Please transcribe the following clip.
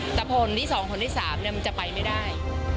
แต่พอหวนที่สองหวนที่สามมันจะไปไม่ได้